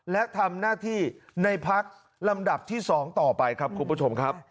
และทำหน้าที่ในพักลำดับที่๒ต่อไปครับคุณผู้ชมครับ